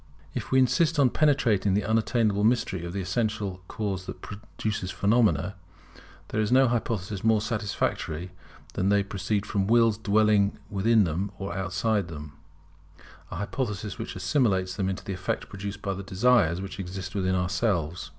If we insist upon penetrating the unattainable mystery of the essential Cause that produces phenomena, there is no hypothesis more satisfactory than that they proceed from Wills dwelling in them or outside them; an hypothesis which assimilates them to the effect produced by the desires which exist within ourselves.